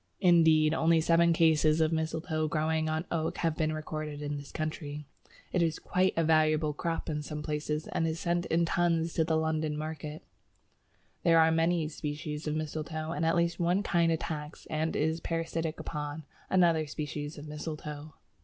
Indeed, only seven cases of mistletoe growing on oak have been recorded in this country. It is quite a valuable crop in some places, and is sent in tons to the London market. Dr. Bull, Journal of Botany, vol. 2, p. 273. There are many species of Mistletoe, and at least one kind attacks, and is parasitic upon, another species of Mistletoe.